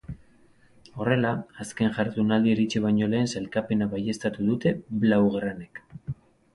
Horrela, azken jardunaldia iritsi baino lehen sailkapena baieztatu dute blaugranek.